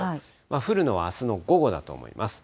降るのはあすの午後だと思います。